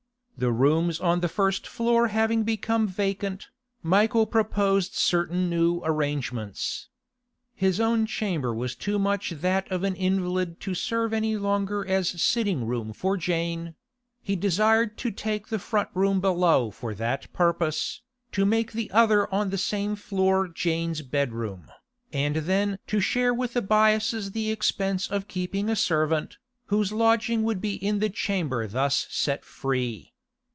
The rooms on the first floor having become vacant, Michael proposed certain new arrangements. His own chamber was too much that of an invalid to serve any longer as sitting room for Jane; he desired to take the front room below for that purpose, to make the other on the same floor Jane's bedroom, and then to share with the Byasses the expense of keeping a servant, whose lodging would be in the chamber thus set free.